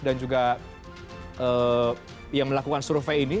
dan juga yang melakukan survei ini